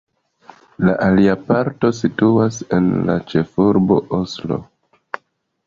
La alia parto situas en la ĉefurbo Oslo.